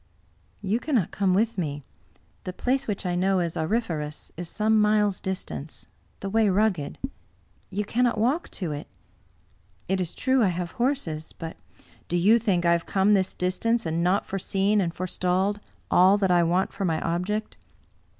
" You cannot come with me. The place which I know 72 Butwer Lytton as auriferous is some miles distant, the way rugged. You cannot walk to it. It is true I have hprses, but "" Do you think I have come this distance and not fore seen and forestalled all that I want for my object?